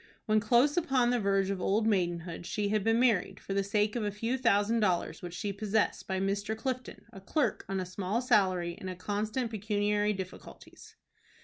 When close upon the verge of old maidenhood she had been married, for the sake of a few thousand dollars which she possessed, by Mr. Clifton, a clerk on a small salary, in constant pecuniary difficulties.